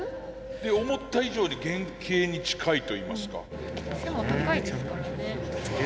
思った以上に原形に近いといいますか。